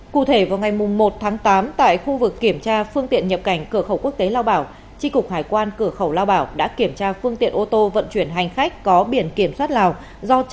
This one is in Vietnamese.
cụ thể vào ngày một tháng tám tại khu vực kiểm tra phương tiện nhập cảnh cửa khẩu quốc tế lao bảo tri cục hải quan cửa khẩu lao bảo đã kiểm tra phương tiện ô tô vận chuyển hành khách có biển kiểm soát lào